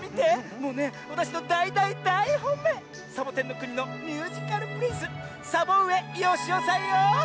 もうねわたしのだい・だい・だいほんめいサボテンのくにのミュージカルプリンスサボうえよしおさんよ。